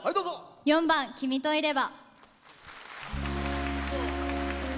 ４番「君といれば」。